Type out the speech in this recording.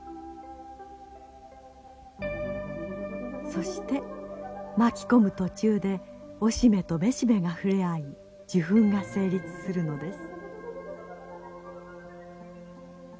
そして巻き込む途中でオシベとメシベが触れ合い受粉が成立するのです。